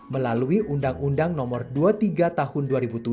melalui undang undang nomor dua puluh tiga tahun dua ribu tujuh